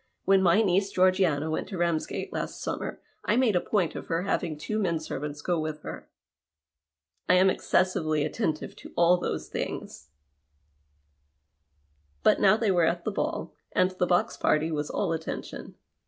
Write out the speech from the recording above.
When my niece Georgiana went to Ramsgate last simimer, I made a point of her having two men servants go with her. I am excessively attentive to all those things." But now they were at the ball, and the box party was all attention.